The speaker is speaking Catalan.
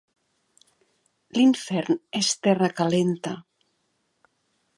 L'infern és terra calenta.